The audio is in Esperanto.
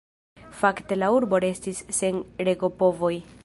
Fakte la urbo restis sen regopovoj.